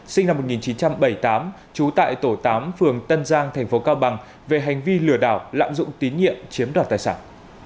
sinh năm một nghìn chín trăm bảy mươi tám trú tại tổ tám phường tân giang tp cao bằng về hành vi lừa đảo lạm dụng tín nhiệm chiếm đoạt tài sản